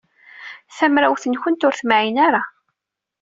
Tamawt-nwent ur temɛin ara.